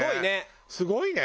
すごいね。